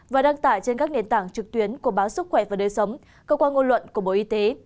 và đăng tải trên các nền tảng trực tuyến của báo sức khỏe và đời sống cơ quan ngôn luận của bộ y tế